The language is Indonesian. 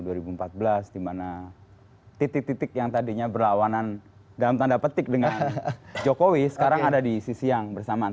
di mana titik titik yang tadinya berlawanan dalam tanda petik dengan jokowi sekarang ada di sisi yang bersamaan